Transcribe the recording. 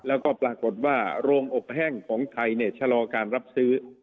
แล้วก็ปรากฏว่าโรงอบแห้งของไทยชะลอการรับซื้อ